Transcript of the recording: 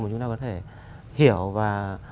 mà chúng ta có thể hiểu và